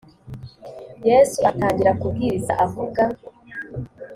yesu atangira kubwiriza avuga